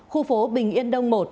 khu phố bình yên đông một